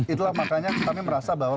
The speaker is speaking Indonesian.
itulah makanya kami merasa bahwa